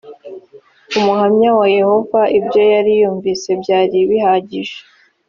umuhamya wa yehova ibyo yari yumvise byari bihagije.